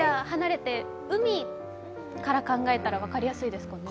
海から考えたら分かりやすいですかね。